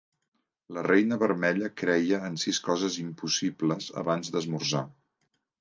La Reina Vermella creia en sis coses impossibles abans d'esmorzar